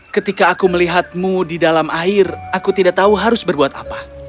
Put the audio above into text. ketika aku melihatmu di dalam air aku tidak tahu harus berbuat apa